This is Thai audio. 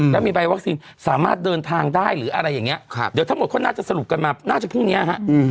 แล้วมีใบวัคซีนสามารถเดินทางได้หรืออะไรอย่างนี้เดี๋ยวทั้งหมดเขาน่าจะสรุปกันมาน่าจะพรุ่งนี้ฮะ